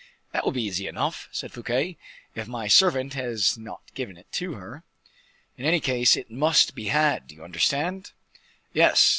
"That will be easy enough," said Fouquet, "if my servant has not given it to her." "In any case it must be had, do you understand?" "Yes.